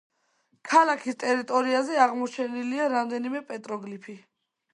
ქალაქის ტერიტორიაზე აღმოჩენილია რამდენიმე პეტროგლიფი.